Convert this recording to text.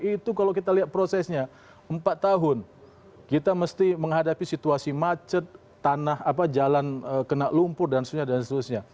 itu kalau kita lihat prosesnya empat tahun kita mesti menghadapi situasi macet tanah jalan kena lumpur dan seterusnya